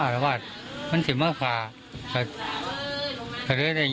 ล่าต้องสิบางหน่ากลุ่มตาคือเนี่ย